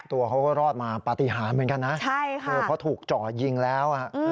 ตัวเขาก็รอดมาปฏิหารเหมือนกันนะเพราะถูกจ่อยิงแล้ว